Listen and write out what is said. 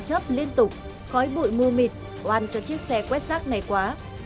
chớp liên tục khói bụi mù mịt oan cho chiếc xe quét xác này quá